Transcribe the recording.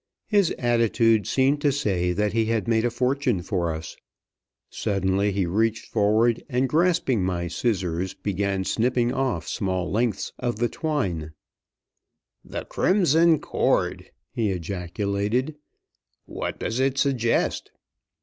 His attitude seemed to say that he had made a fortune for us. Suddenly he reached forward, and, grasping my scissors, began snipping off small lengths of the twine. "The Crimson Cord!" he ejaculated. "What does it suggest?"